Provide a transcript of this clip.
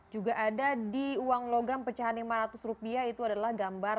juga ada di uang logam pecahan lima ratus rupiah itu adalah gambar